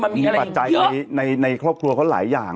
มีปัจจัยในครอบครัวเขาหลายอย่าง